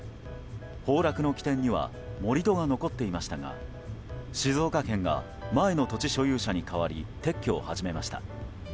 崩落の起点には盛り土が残っていましたが静岡県が前の土地所有者に代わり撤去を始めました。